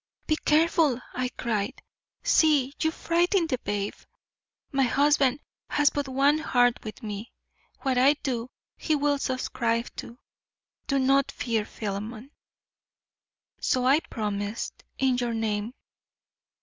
"Be careful!" I cried. "See! you frighten the babe. My husband has but one heart with me. What I do he will subscribe to. Do not fear Philemon." So I promised in your name.